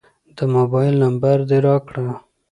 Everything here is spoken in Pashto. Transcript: د موبایل نمبر دې راکړه.